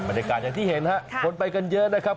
บรรยากาศอย่างที่เห็นนะครับคนไปกันเยอะนะครับ